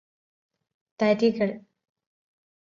തരികള്